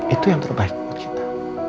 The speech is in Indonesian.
itu yang terbaik buat kita